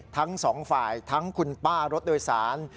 ทั้งสองฝ่ายทั้งคุณป้ารถโดยสาร